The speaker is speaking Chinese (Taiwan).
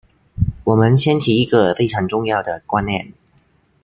我們先提一個非常重要的觀念